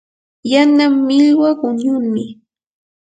yana millwa quñunmi.